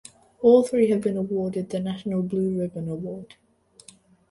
All three have been awarded the National Blue Ribbon Award.